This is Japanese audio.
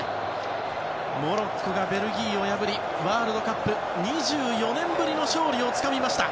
モロッコがベルギーを破りワールドカップ、２４年ぶりの勝利をつかみました。